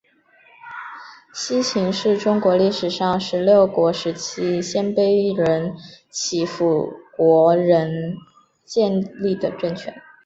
西秦是中国历史上十六国时期鲜卑人乞伏国仁建立的政权。